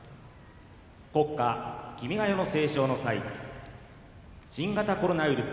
国歌「君が代」の斉唱の際新型コロナウイルス